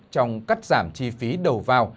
trong cắt giảm chi phí đầu vào